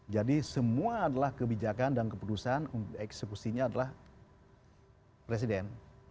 semua adalah kebijakan dan keputusan eksekusinya adalah presiden